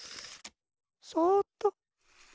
そっと。